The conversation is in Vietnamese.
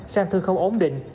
sang thư không ổn định